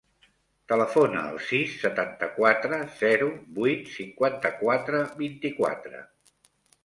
Telefona al sis, setanta-quatre, zero, vuit, cinquanta-quatre, vint-i-quatre.